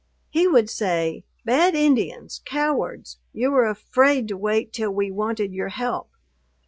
He would say, 'Bad Indians! Cowards! You were afraid to wait till we wanted your help!